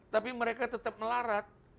tapi mereka tetap melarat